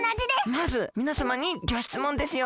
まずみなさまにギョしつもんですよ。